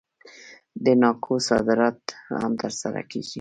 د ناکو صادرات هم ترسره کیږي.